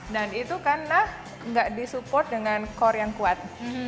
dan itu karena tidak disupport dengan core yang kuat